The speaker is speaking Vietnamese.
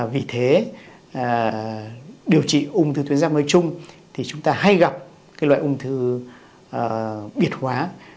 vì thế điều trị ung thư tuyến răm nói chung thì chúng ta hay gặp loại ung thư biệt hóa